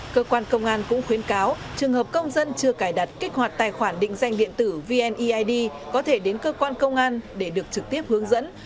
cơ quan công an cũng khuyến cáo trường hợp công dân chưa cài đặt kích hoạt tài khoản định danh điện tử vneid có thể đến cơ quan công an để được trực tiếp hướng dẫn